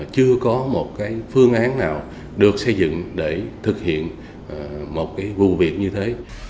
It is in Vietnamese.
chưa có một phương án nào được xây dựng để thực hiện một vụ việc như thế